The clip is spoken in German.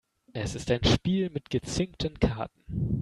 Es ist ein Spiel mit gezinkten Karten.